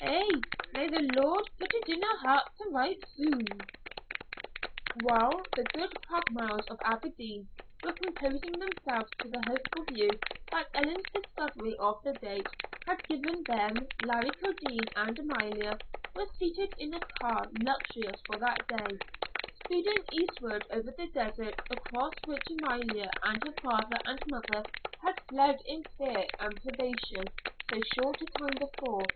"An' may the Lord pit it in her hairt to write soon!" While the good Craigmiles of Aberdeen were composing themselves to the hopeful view that Ellen's discovery of the date had given them, Larry Kildene and Amalia were seated in a car, luxurious for that day, speeding eastward over the desert across which Amalia and her father and mother had fled in fear and privation so short a time before.